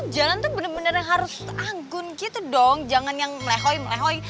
jalan tuh bener bener harus anggun gitu dong jangan yang melehoi melehoi